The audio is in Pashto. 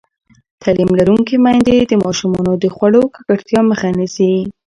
تعلیم لرونکې میندې د ماشومانو د خوړو ککړتیا مخه نیسي.